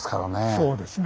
そうですね。